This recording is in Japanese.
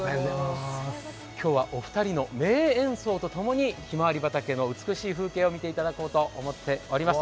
今日はお二人の名演奏とともにひまわり畑の美しい風景を見ていただこうと思っております。